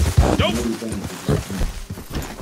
He's mighty bad to visit home.